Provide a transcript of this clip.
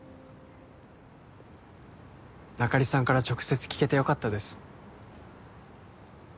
あかりさんから直接聞けてよかったです